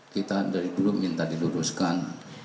kita dari dulu minta diluruskan